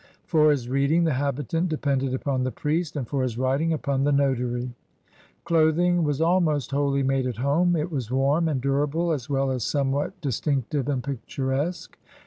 For his reading, the habitant depended upon the priest, and for his writing, upon the notary. Clothing was almost wholly made at home. It was warm and durable, as well as somewhat dis tinctive and picturesque.